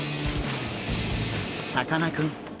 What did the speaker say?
さかなクン